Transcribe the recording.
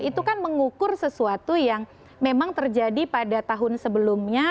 itu kan mengukur sesuatu yang memang terjadi pada tahun sebelumnya